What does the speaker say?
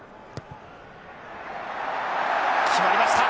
決まりました。